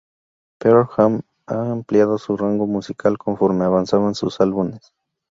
Pearl Jam ha ampliado su rango musical conforme avanzaban sus álbumes.